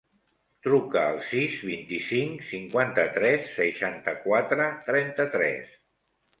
Truca al sis, vint-i-cinc, cinquanta-tres, seixanta-quatre, trenta-tres.